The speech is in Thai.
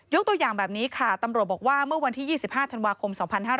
ตัวอย่างแบบนี้ค่ะตำรวจบอกว่าเมื่อวันที่๒๕ธันวาคม๒๕๕๙